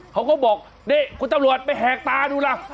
เขาก็บอกนี่คุณตำรวจไปแหกตาดูล่ะ